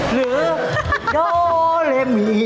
หรือโดเลมี